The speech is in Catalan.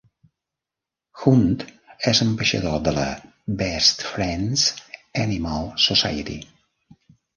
Hunt és ambaixador de la Best Friends Animal Society.